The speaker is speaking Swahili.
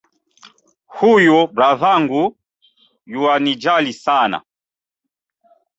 Huyu bradhangu yuwanijali sana